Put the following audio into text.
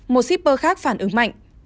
một shipper khác phản ứng mạnh